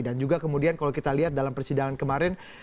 dan juga kemudian kalau kita lihat dalam persidangan kemarin